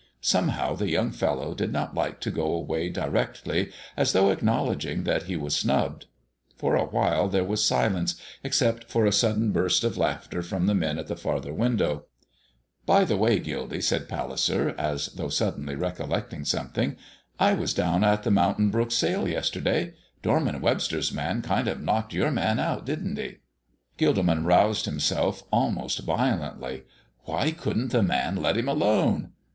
Somehow the young fellow did not like to go away directly as though acknowledging that he was snubbed. For a while there was silence, except for a sudden burst of laughter from the men at the farther window. "By the way, Gildy," said Palliser, as though suddenly recollecting something, "I was down at the Mountain Brook sale yesterday. Dorman Webster's man kind of knocked your man out, didn't he, eh?" Gilderman aroused himself almost violently. Why couldn't the man let him alone.